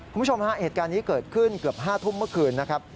คุณผู้ชมฮะเหตุการณ์นี้เกิดขึ้นเกือบ๕ทุ่มเมื่อคืนนะครับ